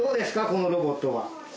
このロボットは。